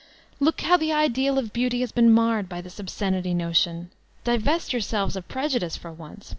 Look how the ideal of beauty has been marred by thb obscenity notion. Divest yourselves of prejudice for once.